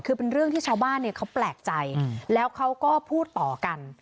คือเป็นเรื่องที่ชาวบ้านเนี่ยเขาแปลกใจแล้วเขาก็พูดต่อกัน